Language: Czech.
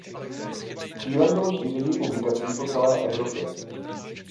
Cílem bylo šíření publikací po celé Evropě.